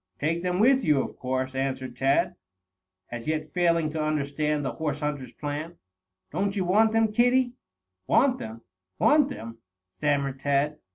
"Take them with you, of course," answered Tad, as yet failing to understand the horse hunter's plan. "Don't you want them, kiddie?" "Want them want them?" stammered Tad.